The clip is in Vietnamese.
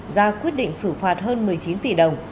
ra quyết định xử phạt hơn một mươi chín tỷ đồng